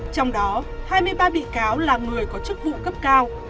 trong đó hai mươi ba bị cáo là người có chức vụ cấp cao